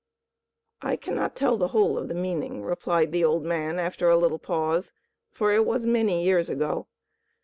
"I cannot tell the whole of the meaning," replied the old man, after a little pause, "for it was many years ago.